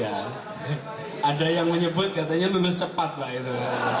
ya ada yang menyebut katanya lulus cepat lah itu